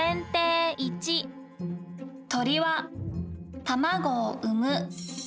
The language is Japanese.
「鳥は卵を産む」。